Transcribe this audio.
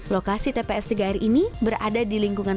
lokasi tps tiga r ini berada di lingkungan